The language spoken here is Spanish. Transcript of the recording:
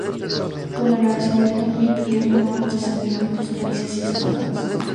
Con la grabación de "Mi Pequeño Amor", trascendió hacia varios países hispanos.